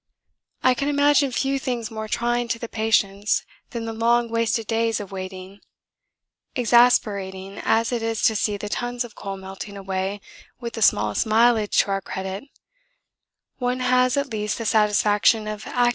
'I can imagine few things more trying to the patience than the long wasted days of waiting. Exasperating as it is to see the tons of coal melting away with the smallest mileage to our credit, one has at least the satisfaction of active fighting and the hope of better fortune.